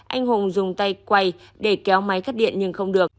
anh hùng dùng tay quay để kéo máy cắt điện nhưng không được